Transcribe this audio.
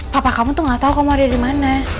papa kamu tuh gak tau kamu ada dimana